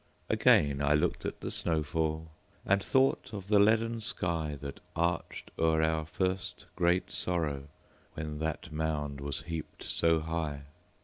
Again I looked at the snow fall, And thought of the leaden skyThat arched o'er our first great sorrow, When that mound was heaped so high.